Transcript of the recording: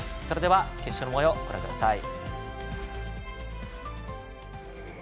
それでは決勝のもようです。